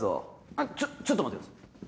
あっちょっちょっと待ってください。